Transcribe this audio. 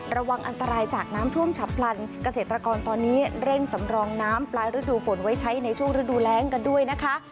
ระวังอันตรายจากน้ำท่วมฉับพลันเกษตรกรตอนนี้เร่งสำรองน้ำปลายฤดูฝนไว้ใช้ในช่วงฤดูแรงกันด้วยนะคะ